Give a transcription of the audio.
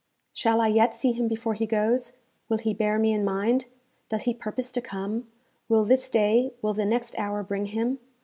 Shall I yet see him before he goes? Will he bear me in mind? Does he purpose to come? Will this day will the next hour bring him?